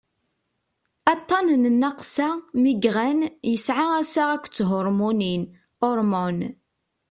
aṭṭan n nnaqsa migraine yesɛa assaɣ akked thurmunin hormones